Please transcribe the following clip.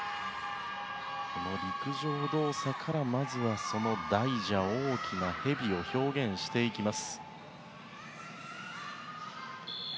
陸上動作からまずは大蛇、大きな蛇を表現していきます。